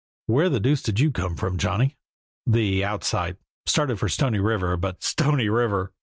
"Where the deuce did you come from, Johnny?" "The 'outside.' Started for Stony River, but " "Stony River!"